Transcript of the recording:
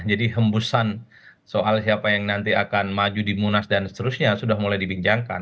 jadi hembusan soal siapa yang nanti akan maju di munas dan seterusnya sudah mulai dibincangkan